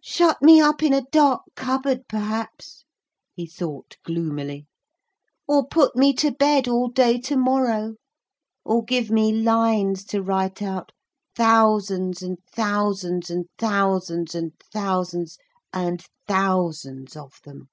'Shut me up in a dark cupboard, perhaps,' he thought gloomily, 'or put me to bed all day to morrow. Or give me lines to write out, thousands, and thousands, and thousands, and thousands, and thousands, of them.'